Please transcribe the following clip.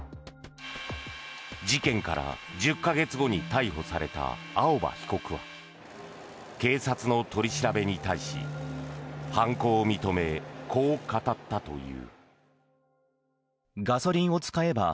事件から１０か月後に逮捕された青葉被告は警察の取り調べに対し犯行を認め、こう語ったという。